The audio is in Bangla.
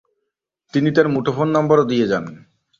তিনি তাঁর মুঠোফোন নম্বরও দিয়ে যান।